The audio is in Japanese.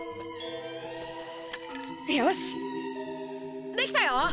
よしできたよ！